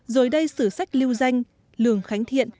rồi đây sử sách lưu danh lường khánh thiện